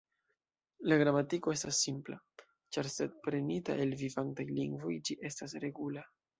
La gramatiko estas simpla, ĉar sed prenita el vivantaj lingvoj, ĝi estas regula.